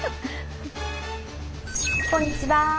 こんにちは。